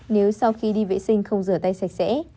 nếu sau khi đi vệ sinh không rửa tay sạch sẽ